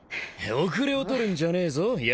後れを取るんじゃねえぞ弥彦。